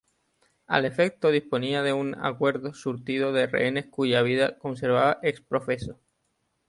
Al efecto disponía de un adecuado surtido de rehenes cuya vida conservaba ex profeso.